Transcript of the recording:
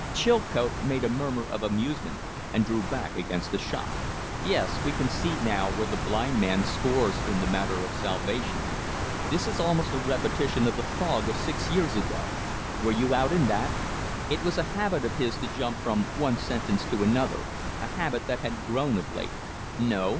Chilcote made a murmur of amusement and drew back against the shop. "Yes. We can see now where the blind man scores in the matter of salvation. This is almost a repetition of the fog of six years ago. Were you out in that?" It was a habit of his to jump from one sentence to another, a habit that had grown of late. "No."